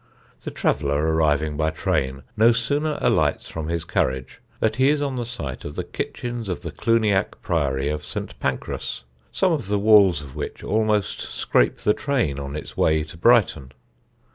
The traveller arriving by train no sooner alights from his carriage than he is on the site of the kitchens of the Cluniac Priory of St. Pancras, some of the walls of which almost scrape the train on its way to Brighton.